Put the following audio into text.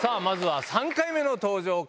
まずは３回目の登場